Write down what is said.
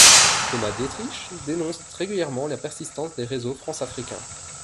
Thomas Dietrich dénonce régulièrement la persistance des réseaux françafricains.